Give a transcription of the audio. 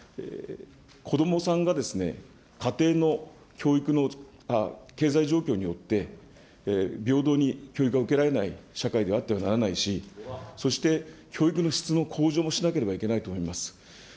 子どもさんが家庭の教育の、経済状況によって、平等に教育が受けられない社会であってはならないし、そして教育の質の向上もしなければいけないと思います。